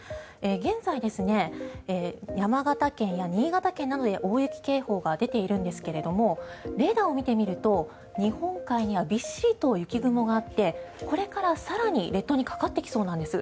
現在、山形県や新潟県などで大雪警報が出ているんですがレーダーを見てみると日本海にはびっしりと雪雲があってこれから更に列島にかかってきそうなんです。